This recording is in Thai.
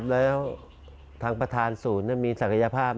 แล้วทางประธานศูนย์มีศักยภาพ